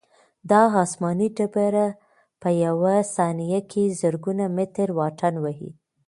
دا آسماني ډبره په یوه ثانیه کې زرګونه متره واټن وهي.